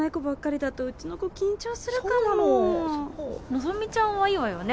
希ちゃんはいいわよね